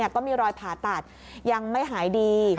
ก็มีรอยผ่าตัดยังไม่หายดี